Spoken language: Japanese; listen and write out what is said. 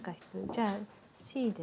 じゃあＣで。